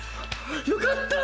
よかった。